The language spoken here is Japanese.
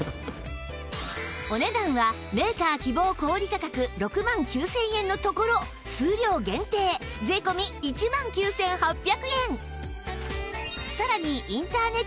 お値段はメーカー希望小売価格６万９０００円のところ数量限定税込１万９８００円